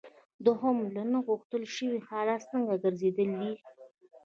دوهم له نه غوښتل شوي حالت څخه ګرځیدل دي.